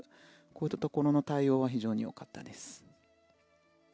こういったところの対応は非常に良かったです。